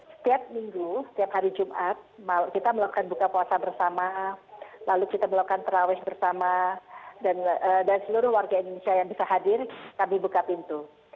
setiap minggu setiap hari jumat kita melakukan buka puasa bersama lalu kita melakukan terawih bersama dan seluruh warga indonesia yang bisa hadir kami buka pintu